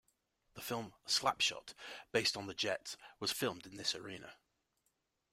The film "Slap Shot", based on the Jets, was filmed in this arena.